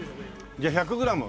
じゃあ１００グラムちょっと。